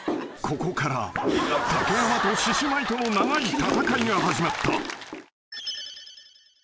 ［ここから竹山と獅子舞との長い戦いが始まった］